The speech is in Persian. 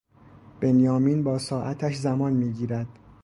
بنیامین با ساعتش زمان میگیرد